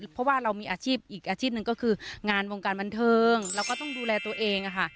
เพราะว่าเรามีอาชีพอีกอาชีพหนึ่งก็คืองานวงการบันเทิงเราก็ต้องดูแลตัวเองค่ะ